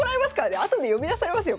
後で呼び出されますよ